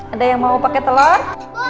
ada yang mau pakai telur